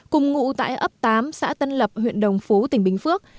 cùng ngụ tại ấp tám xã tân lập huyện đồng phú tỉnh bình phước